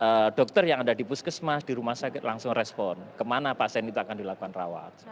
pernah datang dari negara yang ada di puskesmas di rumah sakit langsung respon kemana pasien itu akan dilakukan rawat